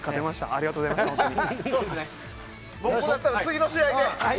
ありがとうございました本当に。